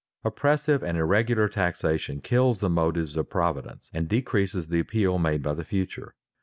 Oppressive and irregular taxation kills the motives of providence, and decreases the appeal made by the future.